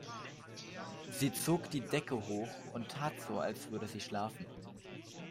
Sie zog die Decke hoch und tat so, als würde sie schlafen.